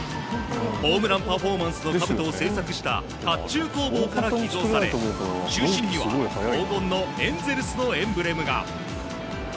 ホームランパフォーマンスのかぶとを制作した甲冑工房から寄贈され、中心部には黄金のエンゼルスのエンブレムが。